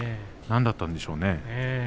何だったんでしょうね。